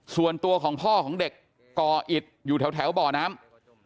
ส่วนตัวของพ่อของเด็กก่ออิดอยู่แถวบ่อน้ำ